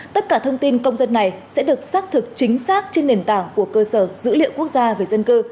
tất cả thông tin công dân này sẽ được xác thực chính xác trên nền tảng của cơ sở dữ liệu quốc gia về dân cư